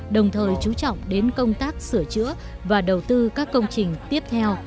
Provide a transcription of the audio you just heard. đồng thời chú trọng đến công tác sửa chữa và đầu tư các công trình tiếp theo